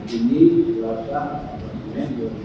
dan dikirakan pada hari ini juga